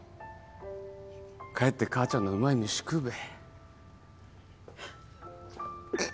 帰って母ちゃんのうまい飯食うべ。